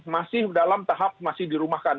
masih dalam tahap masih dirumahkan